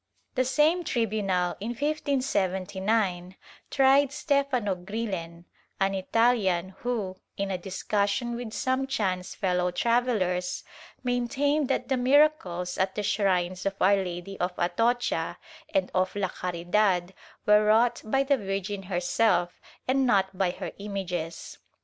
The same tribunal in 1579, tried Stefano Grillen, an ItaHan, who, in a discussion with some chance fellow travellers, maintained that the miracles at the shrines of Our Lady of Atocha and of la Caridad were wrought by the Virgin herself and not by her images.